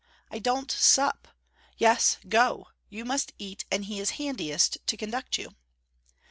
'I don't sup. Yes! go! You must eat, and he is handiest to conduct you.'